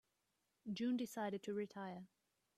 June decided to retire.